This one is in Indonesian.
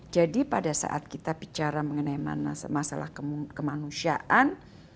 jadi pada saat kita bicara mengenai masalah kemanusiaan